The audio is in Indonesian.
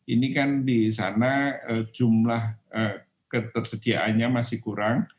ini kan di sana jumlah ketersediaannya masih kurang